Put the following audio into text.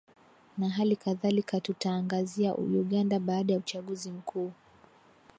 na hali kadhalika tutaangazia uganda baada ya uchaguzi mkuu